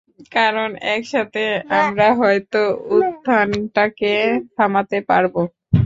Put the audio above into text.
কারন একসাথে আমরা হয়তো উত্থানটাকে থামাতে পারবো।